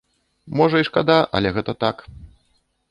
Можа і шкада, але гэта так.